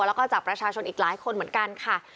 แล้วก็จากประชาชนอีกหลายคนเหมือนกันค่ะ